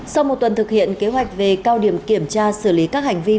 sau một tuần thực hiện kế hoạch về cao điểm kiểm tra xử lý các hành vi vi phạm